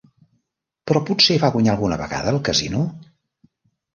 Però potser va guanyar alguna vegada al casino?